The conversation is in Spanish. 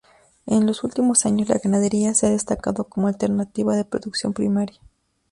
En los últimos años La ganadería se ha destacado como alternativa de producción primaria.